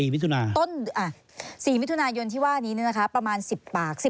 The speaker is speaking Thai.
๔มิถุนายนที่ว่านี้ประมาณ๑๐ปาก